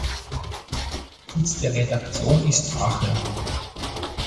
Sitz der Redaktion ist Aachen.